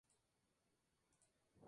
Se descubre que es la madre de Ai.